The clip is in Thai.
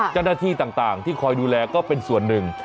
เจ้าหน้าที่ต่างที่คอยดูแลก็เป็นส่วนหนึ่ง